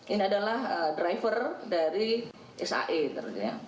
ini adalah driver dari sae ternyata